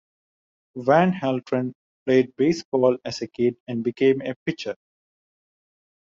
Van Haltren played baseball as a kid and became a pitcher.